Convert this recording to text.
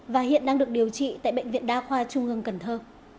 và hiện đang được điều trị tại bệnh viện đa khoa trung ương cần thơ